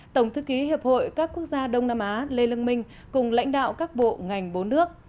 tổng thư ký hiệp hội các quốc gia đông nam á lê lương minh cùng lãnh đạo các bộ ngành bốn nước